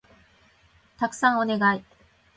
たくさんお願い